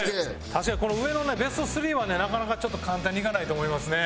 確かにこの上のベスト３はねなかなかちょっと簡単にいかないと思いますね。